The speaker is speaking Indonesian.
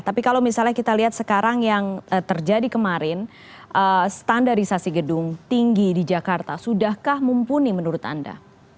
tapi kalau misalnya kita lihat sekarang yang terjadi kemarin standarisasi gedung tinggi di jakarta sudahkah mumpuni menurut anda